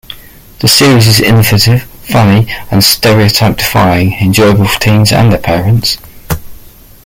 The series is innovative, funny, and stereotype-defying - enjoyable for teens and their parents.